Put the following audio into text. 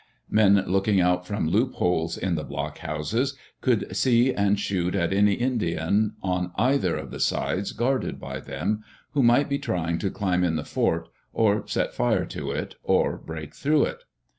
Men looking out from loopholes in the block houses could see and shoot at any Indian, on either of the sides guarded by them, who might be trying to climb in the fort, or set fire to it, or break through it.